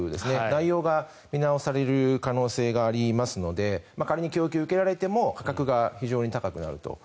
内容が見直される可能性がありますので仮に供給を受けられても価格が非常に高くなると。